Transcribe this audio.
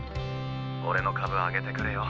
俺の株上げてくれよ？